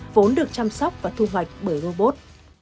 vốn được chăm sóc và thu hoạch bởi robot